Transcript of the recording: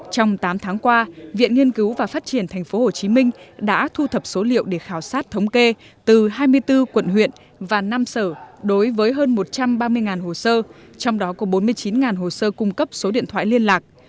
trong tám tháng qua viện nghiên cứu và phát triển tp hcm đã thu thập số liệu để khảo sát thống kê từ hai mươi bốn quận huyện và năm sở đối với hơn một trăm ba mươi hồ sơ trong đó có bốn mươi chín hồ sơ cung cấp số điện thoại liên lạc